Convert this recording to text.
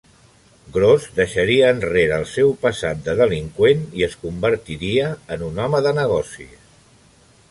Grose deixaria enrere el seu passat de delinqüent i es convertiria en un home de negocis.